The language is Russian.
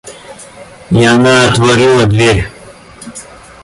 И она отворила дверь.